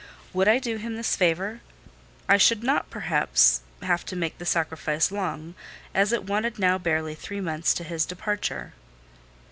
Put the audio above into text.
Would I do him this favour? I should not, perhaps, have to make the sacrifice long, as it wanted now barely three months to his departure.